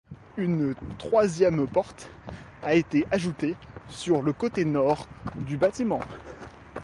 Une troisième porte a été ajoutée sur le côté nord du bâtiment.